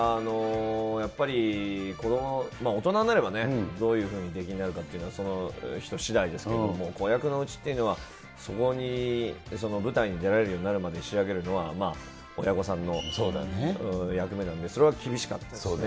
やっぱり大人になればね、どういうような出来になるかっていうのは、その人しだいですけど、子役のうちっていうのは、そこに舞台に出られるようになるまで仕上げるのは、親御さんの役目なんで、それは厳しかったですね。